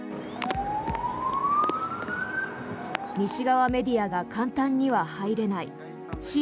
西側メディアが簡単には入れない親